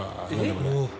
これ。